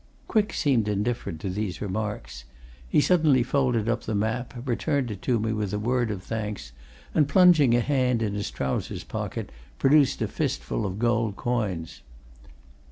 Quick seemed indifferent to these remarks. He suddenly folded up the map, returned it to me with a word of thanks, and plunging a hand in his trousers' pocket, produced a fistful of gold coins.